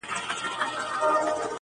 ډېر یې زړه سو چي له ځان سره یې سپور کړي٫